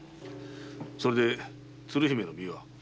それで鶴姫の身は？